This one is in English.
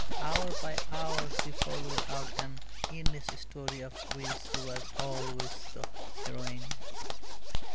Hour by hour she followed out an endless story of which she was always the heroine.